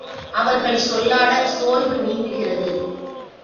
அவர்கள் சொல்லாடச் சோர்வு நீங்குகிறது.